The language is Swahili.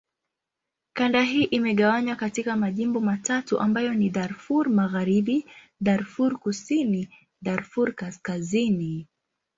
Kanda hii imegawanywa katika majimbo matatu ambayo ni: Darfur Magharibi, Darfur Kusini, Darfur Kaskazini.